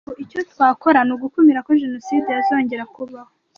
Icyo twakora ni ugukumira ko jenoside yazongera kubaho.